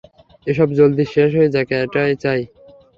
এসব জলদি শেষ হয়ে যাক এটাই চাই।